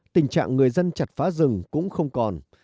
tình trạng người dân chặt phá rừng cũng không còn